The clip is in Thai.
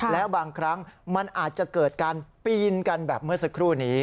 แล้วบางครั้งมันอาจจะเกิดการปีนกันแบบเมื่อสักครู่นี้